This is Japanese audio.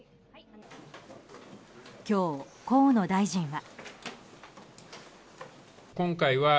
今日、河野大臣は。